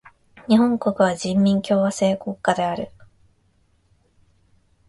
日本国は人民共和制国家である。